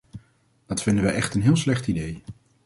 Dat vinden wij echt een heel slecht idee.